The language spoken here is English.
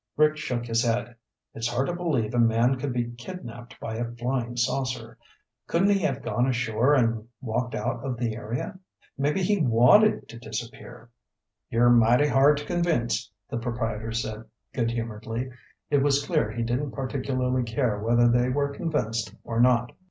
Rick shook his head. "It's hard to believe a man could be kidnaped by a flying saucer. Couldn't he have gone ashore and walked out of the area? Maybe he wanted to disappear." "You're mighty hard to convince," the proprietor said good humoredly. It was clear he didn't particularly care whether they were convinced or not.